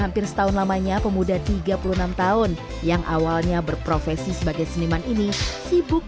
hampir setahun lamanya pemuda tiga puluh enam tahun yang awalnya berprofesi sebagai seniman ini sibuk